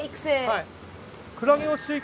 はい。